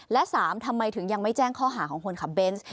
และ๓ทำไมถึงยังไม่แจ้งข้อหาของคนขับเบนส์